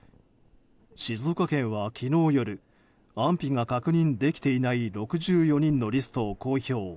静岡県は昨日夜安否が確認できていない６４人のリストを公表。